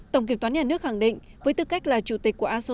tổng kiểm toán nhà nước khẳng định với tư cách là chủ tịch của asean